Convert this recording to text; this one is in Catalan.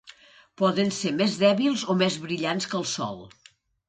Poden ser més dèbils o més brillats que el sol.